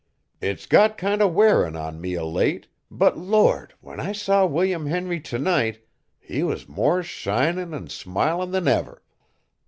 It's got kind o' wearin' on me o' late, but Lord! when I saw William Henry t' night, he was more shinin' an' smilin' than ever.